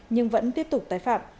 nhưng vẫn tiếp tục tái phạm